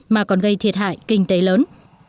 mà còn gây thiệt hại kinh tế lớn